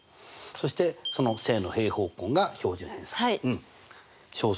そしてその正の平方根が標準偏差。